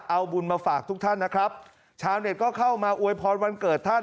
เอาบุญมาฝากทุกท่านนะครับชาวเน็ตก็เข้ามาอวยพรวันเกิดท่าน